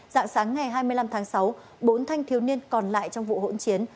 dạng sáng ngày hai mươi năm tháng sáu bốn thanh thiếu niên còn lại trong vụ hỗn chiến